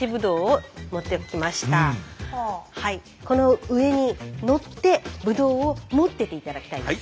この上に乗ってブドウを持ってて頂きたいんです。